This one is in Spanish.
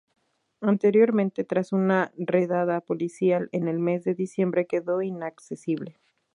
Anteriormente, tras una redada policial en el mes de diciembre quedó inaccesible.